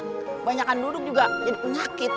kebanyakan duduk juga jadi penyakit